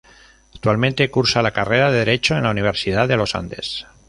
Actualmente cursa la carrera de Derecho en la Universidad de los Andes.